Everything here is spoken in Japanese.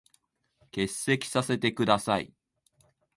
欠席させて下さい。